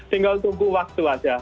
tinggal tunggu waktu saja mohon doanya